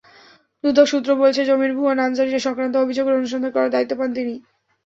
দুদক সূত্র বলেছে, জমির ভুয়া নামজারি-সংক্রান্ত অভিযোগের অনুসন্ধান করার দায়িত্ব পান তিনি।